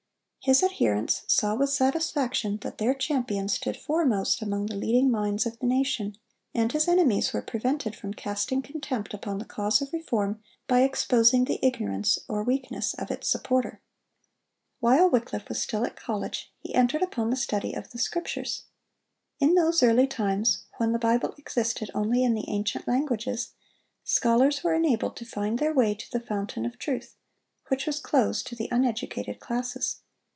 His adherents saw with satisfaction that their champion stood foremost among the leading minds of the nation; and his enemies were prevented from casting contempt upon the cause of reform by exposing the ignorance or weakness of its supporter. While Wycliffe was still at college, he entered upon the study of the Scriptures. In those early times, when the Bible existed only in the ancient languages, scholars were enabled to find their way to the fountain of truth, which was closed to the uneducated classes.